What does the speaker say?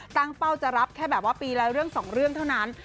ตั้งเป้าจะรับแค่แบบว่าปีละเรื่องสองเรื่องเท่านั้น